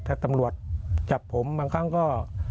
ถ้าตำรวจจับผมบางครั้งก็